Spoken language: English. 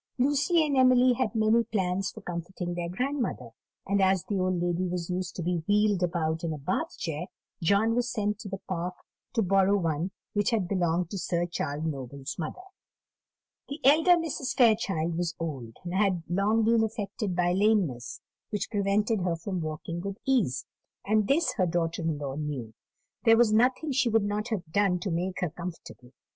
Lucy and Emily had many plans for comforting their grandmother; and as the old lady was used to be wheeled about in a Bath chair, John was sent to the Park to borrow one which had belonged to Sir Charles Noble's mother. The elder Mrs. Fairchild was old, and had long been affected by lameness, which prevented her from walking with ease; and this her daughter in law knew. There was nothing she would not have done to make her comfortable.